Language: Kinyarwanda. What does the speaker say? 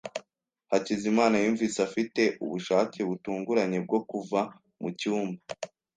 Hakizimana yumvise afite ubushake butunguranye bwo kuva mucyumba.